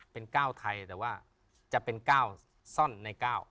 เป็นเก้าไทยแต่ว่าจะเป็นเก้าซ่อนในเก้า